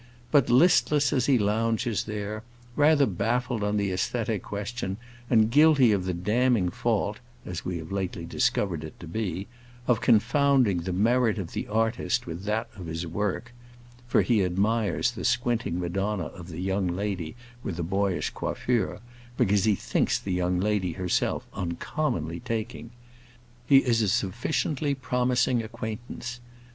But listless as he lounges there, rather baffled on the æsthetic question, and guilty of the damning fault (as we have lately discovered it to be) of confounding the merit of the artist with that of his work (for he admires the squinting Madonna of the young lady with the boyish coiffure, because he thinks the young lady herself uncommonly taking), he is a sufficiently promising acquaintance.